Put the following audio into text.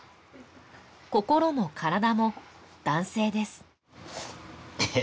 心も体も男性ですええ